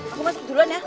aku masuk duluan ya